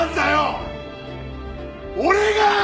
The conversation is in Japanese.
俺が！！